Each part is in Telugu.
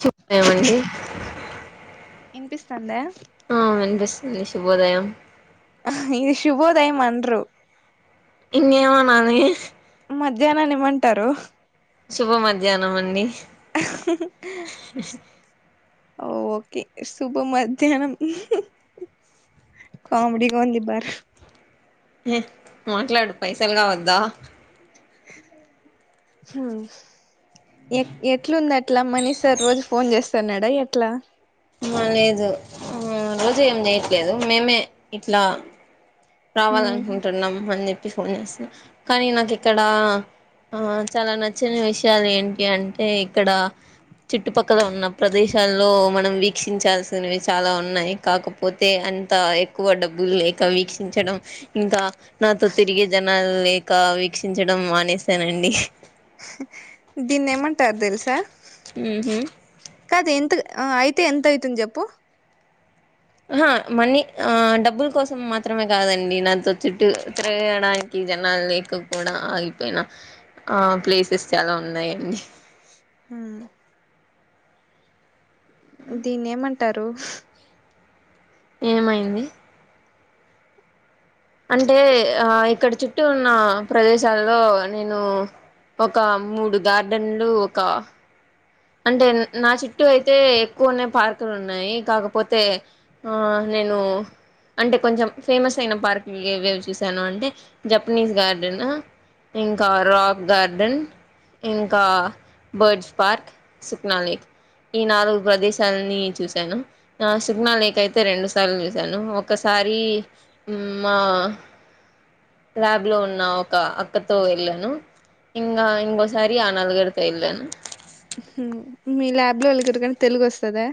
చుప్ ఏమండి వినిపిస్తందా అ వినిపిస్తుంది శుభోదయం ఇది శుభోదయం ఆండ్రు ఇంగేమన్నా అని మధ్యనాన్ని ఏమంటారు శుభ మధ్యానం అండి [inaudible] ఓకే శుభ మధ్యానం కామెడిగా ఉంది బార్ మాట్లాడు పైసలు కావద్దా హ ఎ ఎట్లుంది అట్లా మనీష్ సార్ రోజు ఫోన్ చేస్తాన్నాడా ఎట్లా ఆ లేదు రోజూ ఏం చేయట్లేదు మేమే ఇట్లా రావాలనుకుంటున్నాం అని చెప్పి ఫోన్ చేస్తున్నా కానీ నాకు ఇక్కడ ఆ చాలా నచ్చిన విషయాలు ఏంటి అంటే ఇక్కడ చుట్టుపక్కల ఉన్న ప్రదేశాల్లో మనం వీక్షించాల్సినవి చాలా ఉన్నాయి కాకపోతే ఎంత ఎక్కువ డబ్బులు లేక వీక్ వక్షించడం ఇంకా నాతో తిరిగే జనాలు లేక వీక్షించడం మానేసానండి దీన్ని ఏమంటారు తెలుసా అ ఆ అయితే ఎంతయితుంది జప్పు ఆ మనీ ఆ డబ్బుల కోసం మాత్రమే కాదండి నాతో చుట్టు తిగడానికి జనా లేక్ కూడా ఆగిపోయిన ఆ ప్లేసెస్ చాలా ఉన్నాయంండి ఆ దీన్ని ఏమంటారు ఏమైంది అంటే ఆ ఇక్కడ చుట్టూ ఉన్న ప్రదేశాలో నేను ఒక మూడు గార్డెన్లు ఒక అంటే నా చుట్టూ అయితే ఎక్కువనే పార్కులు ఉన్నాయి కాకపోతే ఆ నేను అంటే కొంచెం ఫేమస్ అయిన పార్క్లు ఏవేవి చూసాను అంటే జపనీస్ గార్డెన్ ఇంకా రాక్ గార్డెన్ ఇంకా బర్డ్స్ పార్క్ సుప్నా లేకి ఈ నాలుగు ప్రదేశాలని చూశాను సిగనా లేక్ అయితే రెండు సార్లు చూసాను ఒకసారి మరిమా ల్యాబ్ లో ఉన్న ఒక అక్కతో వెళ్ళాను ఇంగ ఇంంగ సరి నాలుగడతే ఇల్ మీ ల్యాబ్ లో వాళ్ళకి ఎరకని తెలుగు వస్తుందా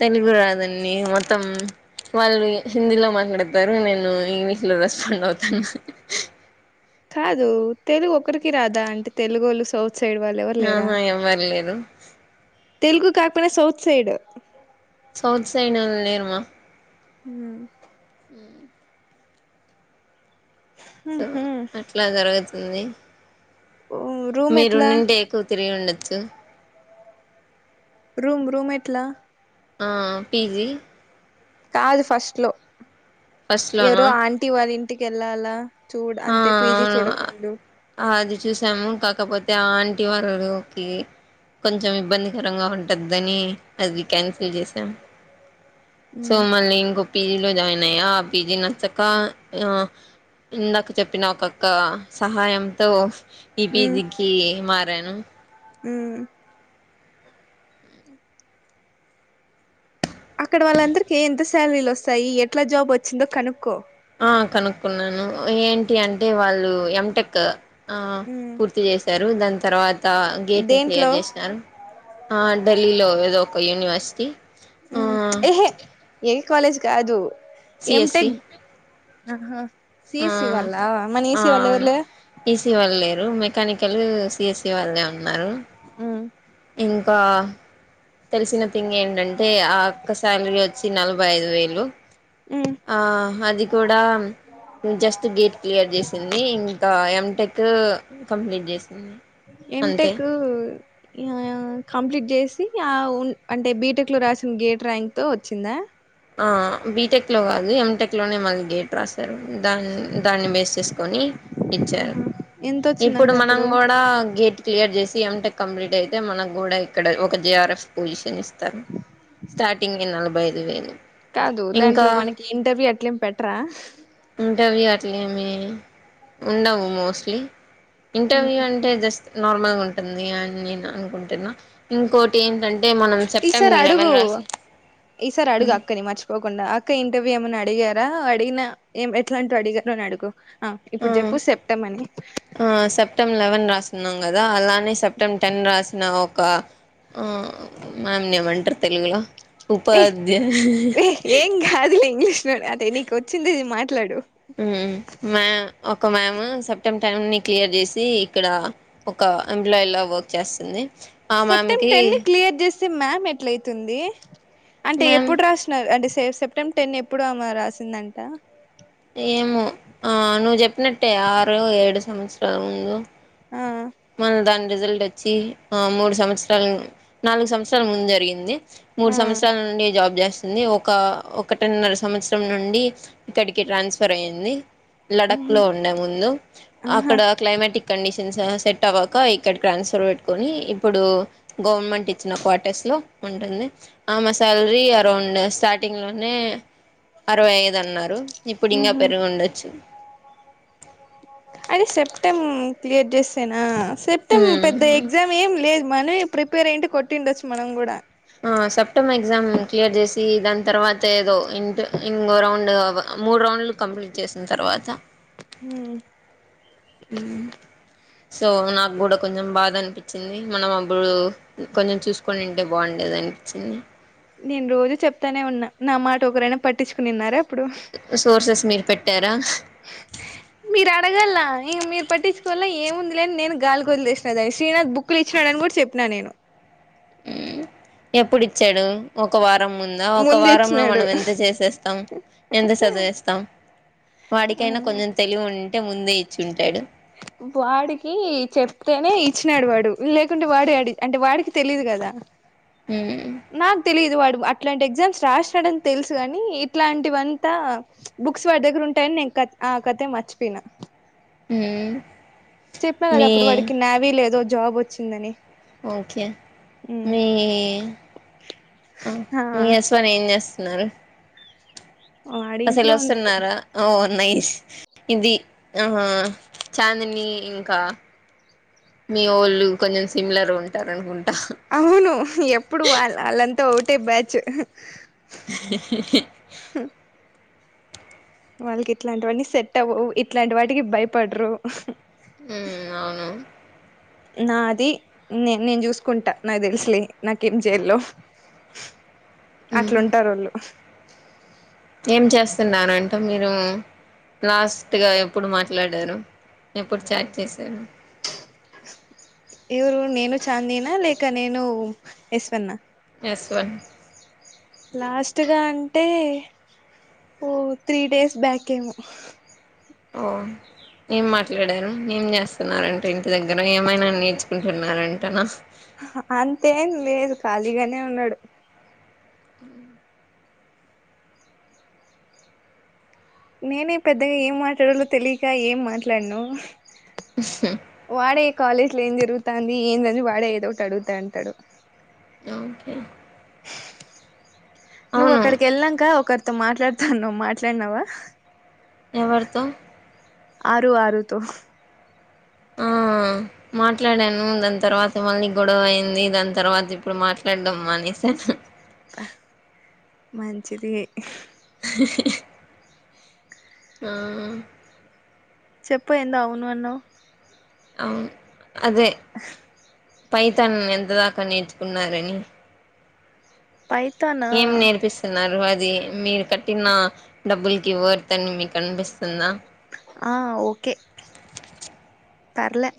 తెలుగు రాదండి మొత్తం వాళ్ళు హిందీలో మాట్లాడతారు నేను ఇంగ్లీష్లో రెస్పాండ్ అవుతాను కాదు తెలుగు ఒకరికి రాదా అంటే తెలుగు వాళ్ళు సౌ సైడ్ వాళ్ళు ఎవరు లేరా ఆహా ఎవ్వరు లేరు తెలుగు కాకపోయినా సౌత్ సైడ్ సౌత్ సైడ్ నేరుమా హ సో అట్లా జరుగుతుంది రూమ్ మీరు ఎట్లా నుడి ఎకు తిరి ఉండచ్చ రూమ్ రూమ్ ఎట్లా ఆహ్ పిజీ కాదు ఫస్ట్ లో ఫస్ట్ ఎవరో లోనా ఆంటీ వాళ్ళ ఇంటికి వెళ్ళాలా చూడ ఆ అంతే పీజీ అవును చూడక ముందు అది చూసాము కాకపోతే ఆ అటి వారురు ఓకే కొంచెం ఇబ్బందికరంగా ఉంటుందని అది క్యాన్సిల్ చేసాం సో ఉమ్ మళ్ళీ పీజీలో జాయిన్ అయ్యా ఆ పీజీ నచ్చక ఇందాక చెప్పిన ఒక్క సహాయంతో ఉమ్ ఈపీజీకి మారాను ఉమ్ అక్కడ వాళ్ళందరిక ఎంత సాలరీలు వస్తాయి ఎట్లా జాబ్ వచ్చిందో కనుక్కో ఆహ్ కనుక్కున్నాను ఏంటి అంటే వాళ్ళు ఎటెక్ ఆహ్ ఉమ్ పూర్తి చేశారు దాని తర్వాత గేట్ ని దేంట్లో క్లియర్ చేసినను ఆ ఢిల్లీలో ఏదో ఒక యూనివర్సిటీ ఆ ఏహే ఏ కాలేజ్ కాదు ఎం సిఎస్సి టెక్ ఆహా ఆ సిసి వాల్ళా మన ఆ ఈసి వాళ్ళెవర్ అవును లేర్ ఈసీ వాళ్ళు లేరు మెకానికల్ సిఎసి వాళ్ళే ఉన్నారు ఉమ్ ఇంకా తెలిసిన ఇంగ ఏంటంటే ఆహ్ ఆక్క సాలరీ వచ్చి నలభై ఐదు వేలు ఉమ్ అ జస్ట్ గేట్ క్లియర్ చేసింది ఇంకా ఎటెక్ కంప్లీట్ చేసి ఎం టెక్ కంప్లీట్ చేసి ఆ అంటే బీటెక్ లో రాసిన గేట్ ర్యాంక్ తో వచ్చిందా ఆహ్ బిటెక్ లో కాదు ఎమ్ టెక్ లోనే మాది గేట్ రాశారు దాన్ని దాన్ని బేస్ చేసుకొని ఇచ్చారు ఎంత ఇప్పుడు వచ్చిందంటే మనం అప్పుడు కూడా గేట్ క్లియర్ చేసి ఏం టెక్ కంప్లీట్ అయితే మనకు కూడా ఇక్కడ ఒక జేఆర్ఎఫ్ పొజిషన్ ఇస్తంది స్టార్టింగ్ కి నలభై ఐదు వేలు కాదు ఇంకా దాంట్లో మనకి ఇంటర్వ్యూ అట్లేం పెటరా ఇంటర్వ్యూ అట్లేమి ఉండవు మోస్ట్లీ ఇంటర్వ్యూ అంటే జస్ట్ నార్మల్గా ఉంటుంది ఏఐ మీనా అని నేను అనుకుంటున్నా ఇంకోటి ఏంటంటే మనం ఈసారి సెప్టెంబర్ అడుగు లెవెన్ రాసి ఈసారి అడుగు అక్కని మచ్ పోకుండా అక్క ఇంటర్వ్యూ ఏమైన్నా అడిగారా అడిగినా ఏం ఎట్లా అంటూ అడిగారు అని అడుగు ఆ ఇప్పుడు చెప్పు చెప్టమని ఆ సెప్టెంబర్ లెవెన్ రాస్తున్నాం కదా అలానే సెప్టెంబ్ టెన్ రాసిన ఒక ఆ మమ్ నీ ఏంమంటర తెలుగు ఏ ఏం కాదులే ఇంగ్లీష్ లో అద ఇంటికి వచ్చింది మాట్లాడు మ్యా ఒక మ్యాము సెప్టెంబర్ సెవెంటీన్త్ క్లియర్ చేసి ఇక్కడ ఒక ఎంప్లాయీలా వర్క్ చేస్తుంది ఆ సెప్టెంబ్ మ్యామ్కి టెన్ ని క్లియర్ చేసే మ్యామ్ ఎట్లయితుంది అంటే మ్యామ్ ఎప్పుడు రాస్తున్నారు అంటే సెప్టెంబ్ టెన్ ఎప్పుడు రాసిందంట ఏమో ఆ నువ్వు చెప్పినట్టే ఆరు ఏడు సంవత్సరాల ముందు ఆ మళ్ళ దాని రిజల్ట్ వచ్చి మూడు సంవత్సరాలు నాలుగు సంవత్సరాల ముందు జరిగింది మూడు ఆ సంవత్సరాల నుండి జాబ్ చేస్తుంది ఒక ఒకటిన్నర సంవత్సరం నుండి ఇక్కడికి ట్రాన్స్ఫర్ అయ్యింది లడక్ ఉహు లో ఉండే ముందు ఆహా అక్కడ క్లైమాటిక్ కండిషన్స్ సెట్ అవ్వక ఇక్కడ ట్రాన్స్ఫర్ పెట్టుకొని ఇప్పుడు గవర్నమెంట్ ఇచ్చిన క్వార్టర్స్ లో ఉంటుంది ఆమే సాల్రి అరౌండ్ స్టార్టింగ్ లోనే అరవై ఐదన్నారు ఇప్పుడు ఇంకా ఉహు పెరుగుండొచ్చు అంటే సెప్టెమ్ క్లియర్ చేసేనా సెప్టెమ్ పెద్ద ఎగ్జామ్ ఏం లేదు మని ప్రిపేర్ అయింటే కొట్టిండొచ్చు మనం కూడా సెప్టెమ్ ఎగ్జామ్ క్లియర్ చేసి దాని తర్వాత ఏదో ఇ ఇంగో రౌండ్ మూడు రౌండ్లు కంప్లీట్ చేసిన తర్వాత మ్ అ సో నాకు కూడా కొంచెం బాధ అనిపించింది మనం అప్పుడు కొంచెం చూసుకొని ఉంటే బాగుం ఎలా అనిపిచింది నేను రోజు చెప్తానే ఉన్నా నా మాట ఒకరైనా పట్టించుకునిన్నారా ప్పుడు సోర్సెస్ మీరు పెట్టారా మీరు అడగలా ఇగ మీ పట్టించుకోవల్లా ఏముంది లే అని నేను గాలికోదిలేసిన దాని శ్రీనాథ్ బుక్లు ఇచ్చినాడని కూడా చెప్పిన నేను మ్ ఎప్పుడు ఇచ్చాడు ఒక వార్ రం ముందా ఒక ముందు వారంలో ఇచ్చినాడు మనం ఎంత చేసేస్తాం ఎంత చదివేస్తాం ఆ వాడికైనా ఆ కొంచెం తెలివి ఉంటే ముందే ఇచ్చి ఉంటాడు వాడికి చెప్తేనే ఇచ్చినాడు వాడు లేకుంటే వాడే అడి అంటే వాడికి తెలియదు క దా నాక్ తెలియదు వాడు అట్లాంటి ఎగ్జామ్స్ రాసినాడని తెలుసు గాని ఇట్లాంటివింతా బుక్స్ వాడి దగ్గర ఉంటాయని నిన్ కత్ ఆ కతే మర్చిపోయినా మ్ చెప్పా కదా అప్పుడు వాడికి నావీలేదో జాబోచ్చిందని ఓకే మీ అ ఆ మీ అశ్వన్ ఏం చేస్తున్నారు వాడి అసలు ఇంట్లో ఉండడు వస్తున్నారా అవున్ నైస్ ఇది ఆ చాందిని ఇంకా మీ ఓళ్ళు కొంచెం సిమిలర్ గ ఉంటారనుకుం అవును ఎప్పుడు వాల్ వాళ్ళంతా ఒకటే బ్యాచ్ వాళ్ళకి ఇట్లాంటివన్నీ సెట్ అవ్వవు ఇట్లాంటి వాటికి భయపడ్రు మ్ అవును నాది నే నేను చూసుకుంటా నాకు తెలుసులే నాకేం చేయలో ఉమ్ అట్లుంటరళ్ళు ఏం చేస్తున్నానంటే మీరు లాస్ట్గా ఎప్పుడు మాట్లాడారు ఎప్పుడు చాట్ చేశారు ఎవరు నేను చాందిన లేక నేను యశ్వన్నా ఎస్్వన్ లాస్ట్గా అంటే ఓ త్రీ డేస్ బ్యాక్ ఏమో ఓ ఏం మాట్లాడారు ఏం చేస్తున్నారంట ఇంటి దగ్గర ఏమైనా నేర్చుకుంటున్నారంటన అంతేం లేదు ఖాళీగానే ఉన్నాడు ఉ నేనే పెద్దగా ఏం మాట్లాడాలో తెలియక ఏం మాట్లాన్ను వాడే ఈ కాలేజ్ లో ఏం జరుగుతాంది ఏందని వాడే ఏదో ఒకటి అడుగుతంటాడు ఓకే నువ్వు అవును అక్కడికి వెళ్ళాంక ఒకరితో మాట్లాడుతాను నువ్వు మాట్లాడినావా ఎవరితో ఆరు ఆరు తో ఆ మాట్లాడాను దాని తర్వాత మళ్ళీ గొడవ అయింది దాని తర్వాత ఇప్పుడు మాట్లాడడంమ్ అని [unintelligible] మంచిది [unintelligible] ఆ చెప్పు ఎందో అవును అన్నవ్ అవున్ అదే పైతన్ ఎంత దాకా నేర్చుకున్నారని పైతానా ఏం నేర్పిస్తున్నారు అ అది మీరు కట్టిన డబ్బులకి వర్త అని మీకు అనిపిస్తుందా ఆ ఓకే పర్లే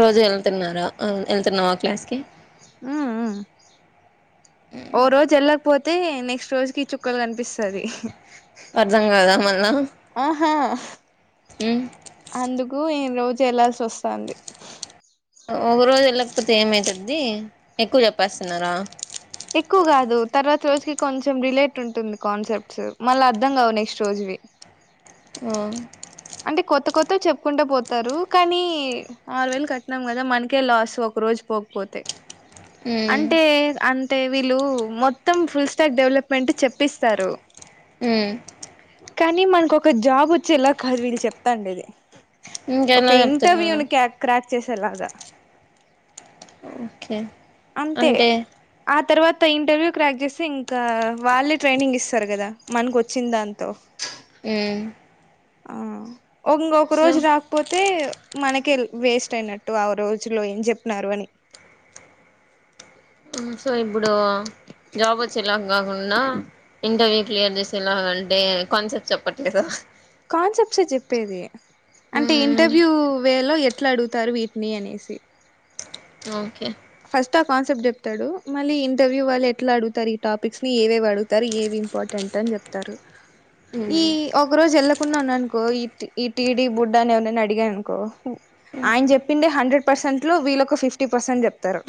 రోజు వెళ్తున్నారా అ వెళ్తున్నావా ఓ క్లాస్ కి అ అ ఒ రోజు ఎలాకి పోతే తే నెక్స్ట్ రోజు కి చుక్కలు కనిపిస్తుది అర్థం కాదా మళ్ళా ఆహా ఉమ్ అందుకు ఈ రోజు చేల్లాల్సి వస్తంది ఒక రోజు వెళ్ళకపోతే ఏమైతది ఎక్కువ చెప్పేస్తున్నారా ఎక్కువ కాదు తర్వాత రోజుకి కొంచెం రిలేట్ ఉంటుంది కాన్సెప్ట్స్ మళ్ళీ అర్ధం కావు నెక్స్ట్ రోజువి ఆ అంటే కొత్త కొత్త చెప్పుకుంటే పోతారు కానీ ఆరు వేలు కట్టినాం కదా మనకే లాస్ ఒక ఒక రోజు పోకపోతే ఉమ్ అంటే అ టే వీలు మొత్తం ఫుల్ స్టాక్ డెవలప్మెంట్ చెప్పిస్తారు ఉమ్ కానీ మనక ఒక జాబ్ వచ్చేలా కాదు వీళ్ళు చెప్తాండి అది ఒక ఇంకెలా చెప్తున్నారు ఇంటర్వ్యూని కక్ క్రాక్ చేసేలాగా ఓకే అంతే అంటే ఆ తర్వాత ఇంటర్వ్యూ క్రాక్ చేస్తే ఇంకా వాళ్ళే ట్రైనింగ్ ఇస్తారు కదా మనకు వచ్చింది దాంతో మ్ ఆ ఒంొక రోజు రాకపోతే మనకే వేస్ట్ అయినట్టు ఆ రోజులో ఏం చెప్పినారు అని అ సో ఇప్పుడు జాబ్ వచ్చేలా కాకుండా ఇంటర్వ్యూ క్లియర్ చేస్త [unintelligible] ఎలా అంటే కాన్సెప్ట్ చెప్పట్లేదుా కాన్సెప్ట్స్ే చెప్పేది అంటే ఉమ్ ఇంటర్వ్యూ వే లో ఎట్లా అడుగుతారు వీటిని అనేసి ఓకే ఫస్ట్ ఆ కాన్సెప్ట్ చెప్తాడు మళ్ళీ ఇంటర్వ్యూ వాళ్ళు ఎట్లా అడుగుతారు ఈ టాపిక్స్ ని ఏవేవి అడుగుతారు ఏవి ఇంపార్టెంట్ అని చెప్తారు ఈ ఉమ్ ఒక రోజు వెళ్ళకున్నాను అనుకో ఈ ఈ టీడి బుడ్డ అని ఎవరనైనా అడిగాయనుకో ఆయన చెప్పిండ హండ్రెడ్ పర్సెంట్ లో వీళ్ళ ఒక ఫిఫ్టీ పర్సెంట్ చె తరు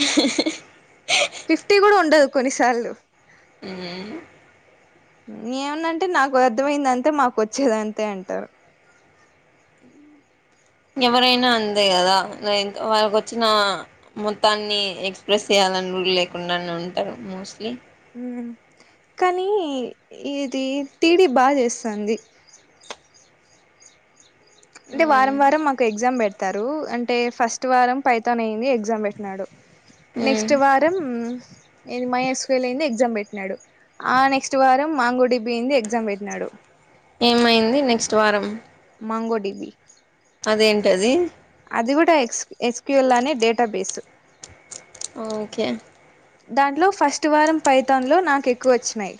ఫిఫ్టీ కూడా ఉండదు కొన్నిసార్లు మ్ ఏమనంటే నాకు అర్థమైదంటే మాకు వచ్చేదంతే అంటారు ఎవరైనా అంతే కదా న్ వాళ్ళకోచ్చిన మొత్తాన్ని ఎక్స్ప్రెస్ చేయా లన్గులేకుండానుంటారు మోస్ట్లీ మ్ కానీ ఇది టీడిీ బాగా చేస్తంది అంటే వారం ఉమ్ వారం మాకు ఎగ్జామ్ పెట్ చతారు అంటే ఫస్ట్ వారం పైతనైది ఎగ్జామ్ పెట్టినాడు ఉమ్ నెక్స్ట్ వారం ఏ మైఎస్కల్ అయింది ఎగ్జామ్ పెట్టినాడు ఆ నెక్స్ట్ వారం మాంగోడిబిపి అయింది ఎగ్జామ్ పెట్టినాడు ఏమైంది నెక్స్ట్ వారం మాంగో డిపి అదేంటిది అది కూడా ఎ్స్ ఎస్క్యూలానే డేటాబేసు ఓకే దాంట్లో ఫస్ట్ వారం పైతాన్ లో నాకు ఎక్కువోచ్చినాయి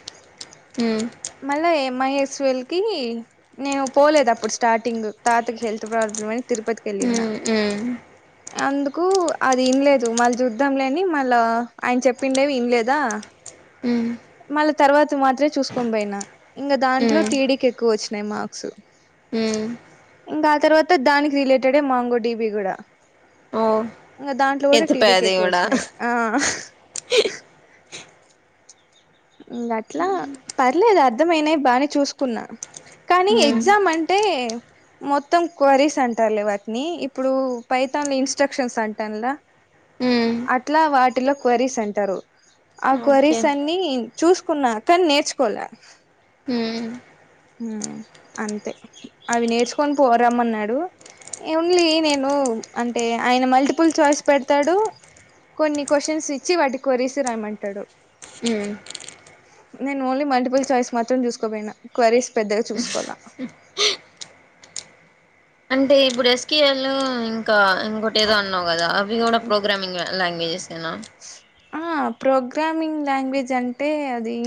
మ్ మళ్ళా ఎంఐఎస్ఎల్ కి నేను పోలేదప్పుడు స్టార్టింగ్ తాతకి హెల్త్ ప్రాబ్లమై తిరుపతికేళ్ళన ఉమ్ ఉమ్ అందుకు అది విన్లేదు మళ్ళీ చూద్దాంలే అని మళ్ళా ఆయన చెప్పిండేవి విన్లేదా మ్ తర్వాత మాత్రే చూసుకొని పోయినా ఇంగ దాంట్లో టీడీకి ఎక్కువోచ్చినాయి మార్క్స్ మ్ ఇంగ ఆ తర్వాత దానికి రిలేటెడేగ మాంగో టీబి కూడా ఓ ఇగ దాంట్లో కూడా ఎత్తిపా దేవుడా టీడీకెక్కువోచ్చినాయి ఆ ఇంగ అట్లా పర్లేదు అర్ధమైనాయి బానే చూసుకున్నా కానీ ఉమ్ ఎగ్జామ్ అం టే మొత్తం క్వరీస్ అంటారులే వాటిని ఇప్పుడు పైతన్ల ఇన్స్ట్రక్షన్స్ అంటాల్ల ఉమ్ అట్లా వాటిలో క్వరీస్ అంటారు ఆ ఓకే క్వరీస్ అన్ని చూసుకున్నా కానీ నేర్చుకోలే ఉమ్ మ్ అంతే అవి నేర్చుకొని పోరమన్నాడు ఓన్లీ నేను అంటే ఆయన మల్టిపుల్ చాయిస్ పెడుతాడు కొన్ని క్వశ్చన్స్ ఇచ్చి వాటికి కోరిస్ రాయమంటాడు మ్ నేను ఓన్లీ మల్టిపుల్ చాయిస్ మాత్రం చూసుకపోయినా క్వరీస్ పెద్దగా చూసుకోవాలా అంటే ఇప్పుడు ఎస్కేఎల్ ఇంకా ఇంకోటేదో అన్నావు కదా అవి కూడా ఉమ్ ప్రోగ్రామింగ్ లాంగ్వేజ్ జెనా ఆ ప్రోగ్రామింగ్ లాంగ్వేజ్ అంటే అది